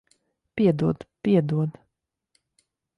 Piedod. Piedod.